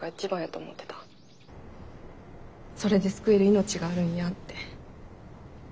それで救える命があるんやって。